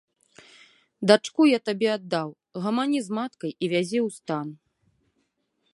Дачку я табе аддаў, гамані з маткай і вязі ў стан.